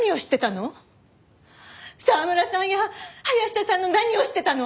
澤村さんや林田さんの何を知ってたの？